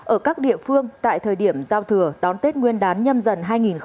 ở các địa phương tại thời điểm giao thừa đón tết nguyên đán nhâm dần hai nghìn hai mươi